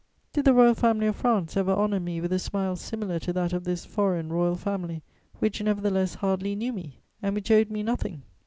Did the Royal Family of France ever honour me with a smile similar to that of this foreign Royal Family, which nevertheless hardly knew me and which owed me nothing?